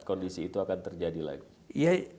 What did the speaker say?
kondisi itu akan terjadi lagi